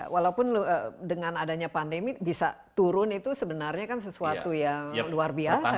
walaupun dengan adanya pandemi bisa turun itu sebenarnya kan sesuatu yang luar biasa